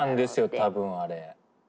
多分あれ。